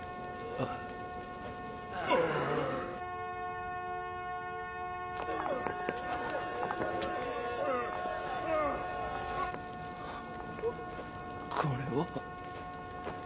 あっこれは。